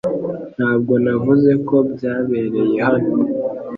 Ntabwo navuze ko byabereye hano .